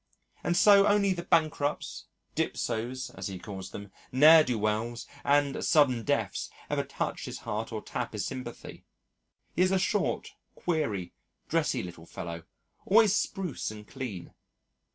And so only the bankrupts, dipsos (as he calls them), ne'er do weels, and sudden deaths ever touch his heart or tap his sympathy. He is a short, queery, dressy little fellow, always spruce and clean.